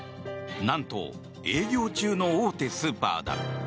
何と、営業中の大手スーパーだ。